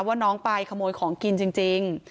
ว่าน้องไปขโมยของกินจริง